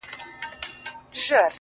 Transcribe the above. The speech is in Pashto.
• ما لیدلې د قومونو په جرګو کي,